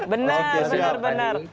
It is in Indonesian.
benar benar benar